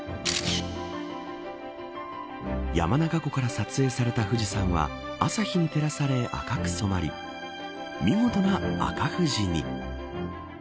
山中湖から撮影された富士山は朝日に照らされ、赤く染まり見事な赤富士に。